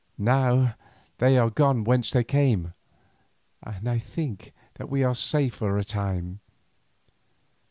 Now they are gone whence they came, and I think that we are safe for a time.